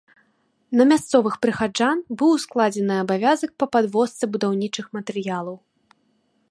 На мясцовых прыхаджан быў ускладзены абавязак па падвозцы будаўнічых матэрыялаў.